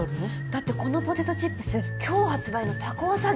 だってこのポテトチップス今日発売のタコわさ